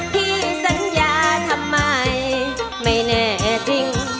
พี่สัญญาทำไมไม่แน่จริง